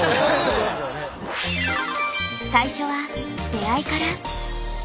最初は「出会い」から。